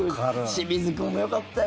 清水君もよかったよ。